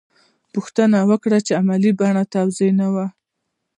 پوښتنه کړې چا علمي بڼه توضیح نه وي.